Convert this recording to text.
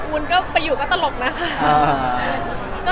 วุ้นก็ไปอยู่ก็ตลกนะคะ